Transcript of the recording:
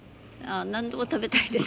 何でも食べたいです。